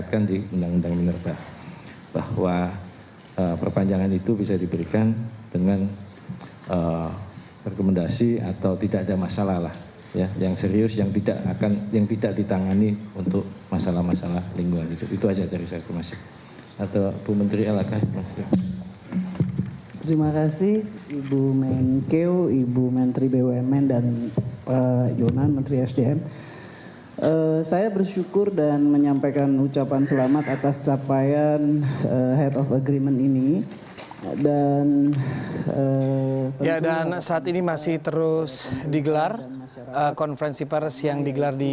kementerian keuangan telah melakukan upaya upaya